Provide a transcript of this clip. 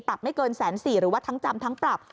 ปรับไม่เกิน๑๔๐๐๐๐บาทหรือว่าทั้งจำทั้งปรับ